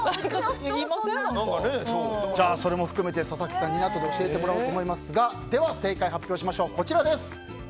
それも含めて佐々木さんにあとで教えてもらおうと思いますがでは正解発表しましょう。